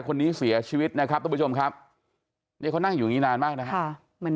คนนี้เสียชีวิตนะครับประชมครับเขานั่งงี้นานมากแต่เหมือน